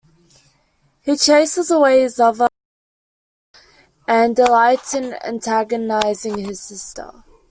He chases away his lover Sasha and delights in antagonizing his sister.